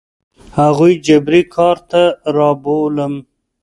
هغوی جبري کار ته رابولم.